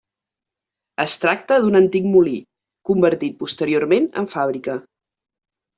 Es tracta d'un antic molí, convertit posteriorment en fàbrica.